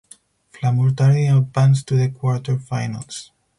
Flamurtari advanced to the quarter finals.